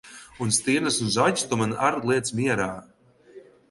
Un stirnas un zaķus tu man ar liec mierā!